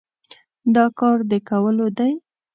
دا کار د کولو دی؟